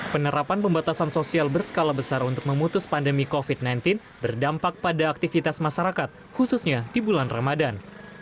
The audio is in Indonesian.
penerapan pembatasan sosial berskala besar untuk memutus pandemi covid sembilan belas berdampak pada aktivitas masyarakat khususnya di bulan ramadan